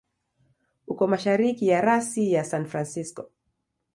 Uko mashariki ya rasi ya San Francisco.